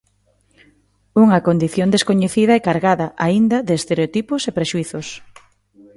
Unha condición descoñecida e cargada, aínda, de estereotipos e prexuízos.